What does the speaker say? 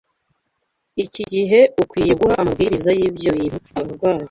iki gihe ukwiriye guha amabwiriza y’ibyo bintu abarwayi